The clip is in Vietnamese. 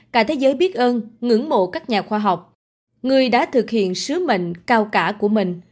cả thế giới biết ơn ngưỡng mộ các nhà khoa học người đã thực hiện sứ mệnh cao cả của mình